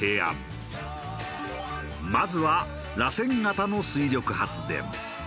まずはらせん型の水力発電。